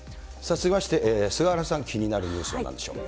続きまして、菅原さん、気になるニュースはなんでしょう？